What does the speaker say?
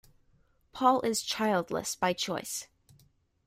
Paul is childless by choice.